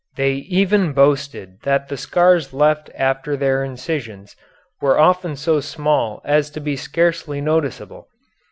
They even boasted that the scars left after their incisions were often so small as to be scarcely noticeable.